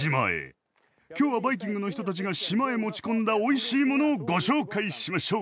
今日はバイキングの人たちが島へ持ち込んだ「おいしいもの」をご紹介しましょう。